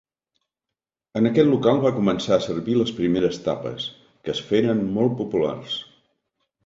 En aquest local va començar a servir les primeres tapes, que es feren molt populars.